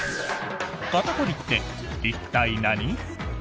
肩凝りって一体、何？